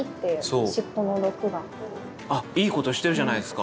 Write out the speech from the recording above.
あっいいこと知ってるじゃないですか。